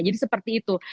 jadi seperti itu